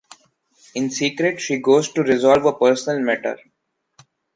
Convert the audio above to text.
In secret, she goes to resolve a personal matter.